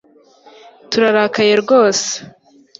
Turarakaye rwose